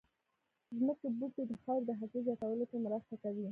ځمکې بوټي د خاورې د حاصل زياتولو کې مرسته کوي